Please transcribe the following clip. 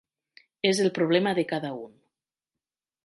És el problema de cada un.